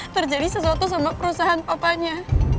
terjadi sesuatu sama perusahaan papanya